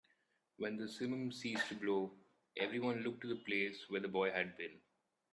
When the simum ceased to blow, everyone looked to the place where the boy had been.